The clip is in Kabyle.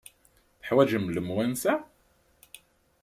Teḥwajem lemwansa?